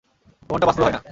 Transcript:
এমনটা বাস্তবে হয় না।